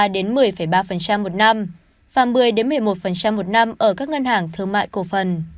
là chín ba một mươi ba một năm và một mươi một mươi một một năm ở các ngân hàng thương mại cổ phần